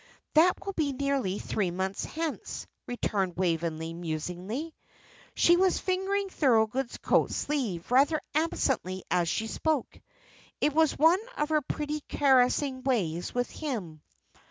"That will be nearly three months hence," returned Waveney, musingly. She was fingering Thorold's coat sleeve rather absently as she spoke. It was one of her pretty caressing ways with him.